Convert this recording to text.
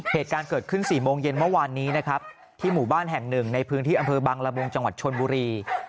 เหตุการณ์เกิดขึ้น๔โมงเย็นเมื่อวานนี้นะครับที่หมู่บ้านแห่งหนึ่งในพื้นที่อำเภอบังละมุงจังหวัดชนบุรี